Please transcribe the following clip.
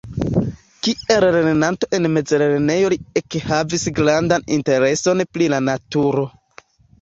Kiel lernanto en mezlernejo li ekhavis grandan intereson pri la naturo.